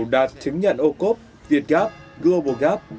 đạt chứng nhận ô cốp việt gáp global gap